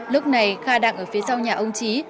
lúc này kha đang ở phía sau nhà ông trí